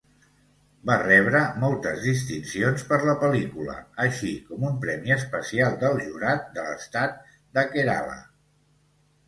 Va rebre moltes distincions per la pel·lícula, així com un premi especial del jurat de l'estat de Kerala.